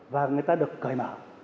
và người ta được cởi mở